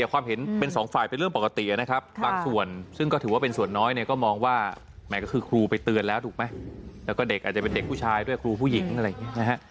ว่าแหม่งก็คือครูไปเตือนแล้วถูกไหมแล้วก็เด็กอาจจะเป็นเด็กผู้ชายด้วยครูผู้หญิงอะไรอย่างนี้นะฮะ